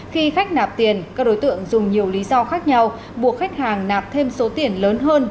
khi khách nạp tiền các đối tượng dùng nhiều lý do khác nhau buộc khách hàng nạp thêm số tiền lớn hơn